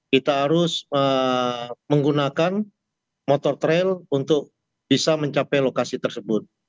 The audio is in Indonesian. kita harus menggunakan motor trail untuk bisa mencapai lokasi tersebut